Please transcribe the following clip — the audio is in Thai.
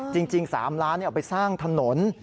จริง๓ล้านเอาไปสร้างถนน